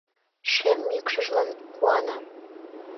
Шем мӱкшыжлан куана.